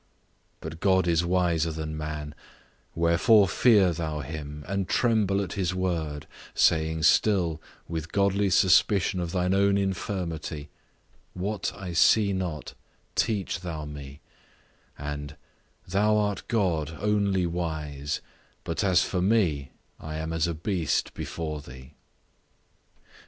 But God is wiser than man, wherefore fear thou him, and tremble at his word, saying still, with godly suspicion of thine own infirmity, What I see not, teach thou me; and, Thou art God only wise; but as for me, I am as a beast before thee.